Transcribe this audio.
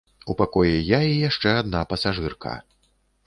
У пакоі я і яшчэ адна пасажырка.